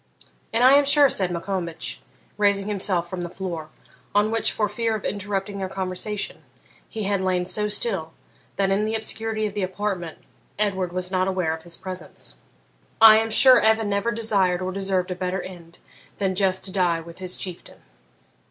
'And I am sure,' said Maccombich, raising himself from the floor, on which, for fear of interrupting their conversation, he had lain so still that, in the obscurity of the apartment, Edward was not aware of his presence 'I am sure Evan never desired or deserved a better end than just to die with his Chieftain.'